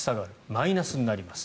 マイナスになります。